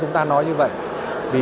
thông tin tại kirendo